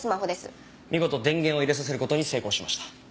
見事電源を入れさせる事に成功しました。